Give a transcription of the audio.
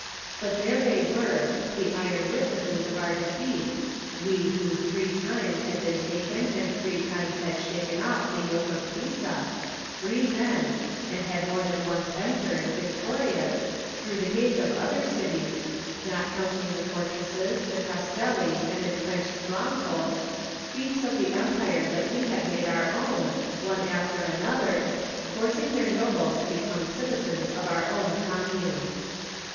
But there they were, the iron witnesses of our defeat, we who three times had been taken and three tiines had shaken oflf the yoke of Pisa — ^free men — ^and had more than once entered, victorious, through the gates of other cities, not count ing the fortresses, the castelli, and in trenched strongholds — ^fiefs of the empire that we had made our own, one after an other, forcing their nobles to become citizens of our own commune.